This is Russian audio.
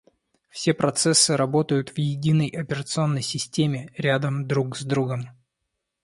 Все процессы работают в единой операционной системе, рядом друг с другом